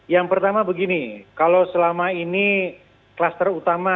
yang pertama begini kalau selama ini kluster utama